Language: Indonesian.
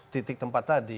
titik tempat tadi